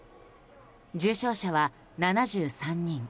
重症者は７３人。